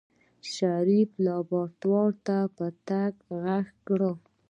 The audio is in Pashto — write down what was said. شريف لابراتوار ته په تګ کې غږ کړ.